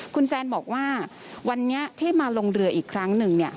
คุณแซนบอกว่าวันนี้ที่มาลงเรืออีกครั้งหนึ่งเนี่ย